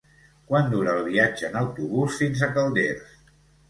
Quant dura el viatge en autobús fins a Calders?